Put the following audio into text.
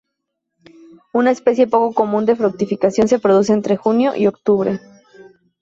Una especie poco común de fructificación se produce entre junio y octubre.